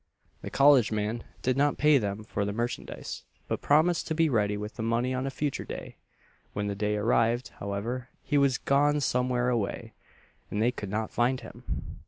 The "college man" did not pay them for the merchandise; but promised to be ready with the money on a future day. When the day arrived, however, he was "gone somewhere away," and they could not find him.